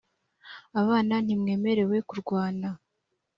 abana ntimwemerewe kurwana.